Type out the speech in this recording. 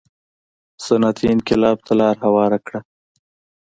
صنعتي انقلاب ته لار هواره کړه.